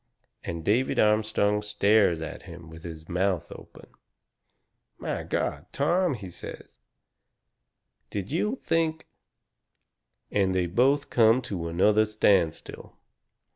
And David Armstrong stares at him with his mouth open. "My God! Tom," he says, "did you think ?" And they both come to another standstill.